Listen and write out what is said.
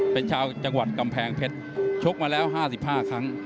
เป็นชาวจังหวัดกำแพงเพชรชกมาแล้ว๕๕ครั้ง